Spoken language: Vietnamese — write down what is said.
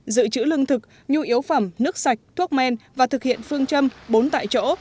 giữ chữ lương thực nhu yếu phẩm nước sạch thuốc men và thực hiện phương châm bốn tại chỗ